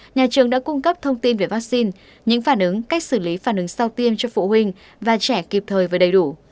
nhà trường đã cung cấp thông tin về vaccine những phản ứng cách xử lý phản ứng sau tiêm cho phụ huynh và trẻ kịp thời và đầy đủ